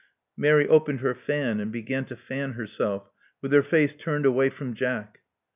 Mary opened her fan, and began to fan herself, with her face turned away from Jack.